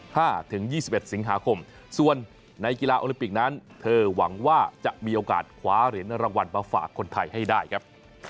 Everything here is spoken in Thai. เธอหวังว่าจะมีโอกาสคว้าเหรียญรางวัลมาฝากคนไทยให้ได้ครับ